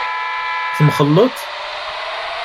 Temxelleḍ?